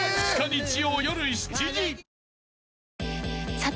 さて！